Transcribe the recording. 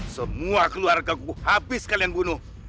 semua keluarga aku habis kalian bunuh